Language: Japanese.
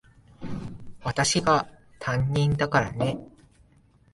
私が担任だからね。